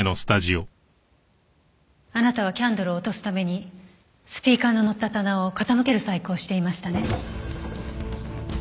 あなたはキャンドルを落とすためにスピーカーの載った棚を傾ける細工をしていましたね。